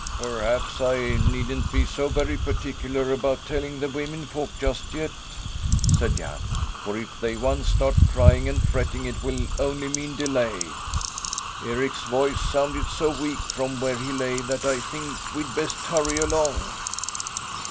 "Perhaps I needn't be so very particular about telling the womenfolk just yet?" said Jan. "For if they once start crying and fretting it will only mean delay. Eric's voice sounded so weak from where he lay that I think we'd best hurry along."